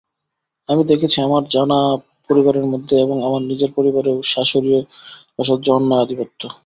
আমি দেখেছি আমার জানা পরিবারের মধ্যে এবং আমার নিজের পরিবারেও শাশুড়ীর অসহ্য অন্যায় আধিপত্য।